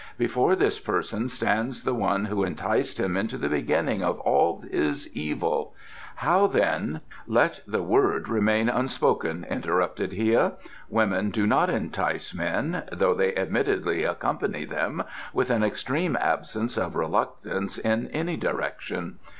Before this person stands the one who enticed him into the beginning of all his evil; how then " "Let the word remain unspoken," interrupted Hia. "Women do not entice men though they admittedly accompany them, with an extreme absence of reluctance, in any direction.